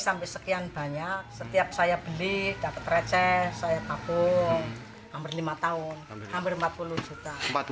sampai sekian banyak setiap saya beli dapet receh saya takut hampir lima tahun hampir empat puluh juta empat puluh